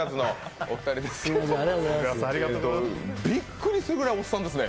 びっくりするぐらい、おっさんですね？